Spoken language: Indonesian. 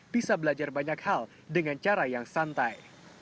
bisa belajar banyak hal dengan cara yang santai